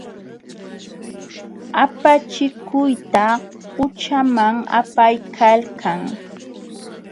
Apachikuyta qućhaman apaykalkan.